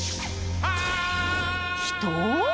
人？